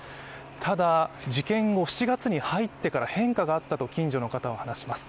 ただ、事件後７月に入ってから変化があったと、近所の方は話します。